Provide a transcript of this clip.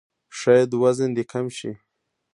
شاید وزن دې کم شي!